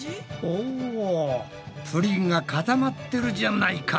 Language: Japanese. おプリンが固まってるじゃないか。